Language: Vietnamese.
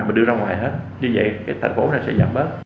mình đưa ra ngoài hết như vậy cái thành phố này sẽ giảm bớt